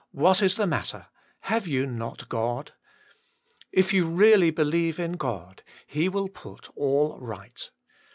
What is the matter : Have you not God f If you really believe in God, He will put all right.